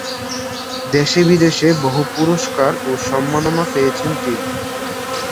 দেশে বিদেশে বহু পুরস্কার ও সম্মাননা পেয়েছেন তিনি।